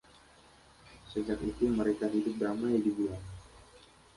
Sejak itu mereka hidup damai di Bulan.